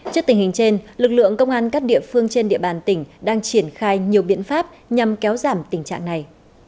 trước tình hình trên lực lượng công an các địa phương trên địa bàn tỉnh đang triển khai nhiều biện pháp nhằm kéo giảm tình trạng này